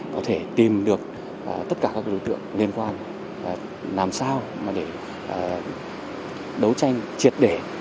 có thể tìm được tất cả các đối tượng liên quan làm sao để đấu tranh triệt để